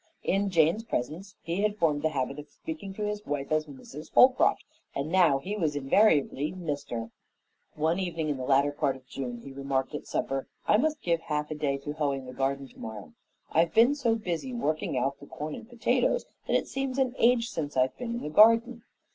In Jane's presence he had formed the habit of speaking to his wife as Mrs. Holcroft, and now he was invariably "Mr." One evening in the latter part of June, he remarked at supper, "I must give half a day to hoeing the garden tomorrow. I've been so busy working out the corn and potatoes that it seems an age since I've been in the garden."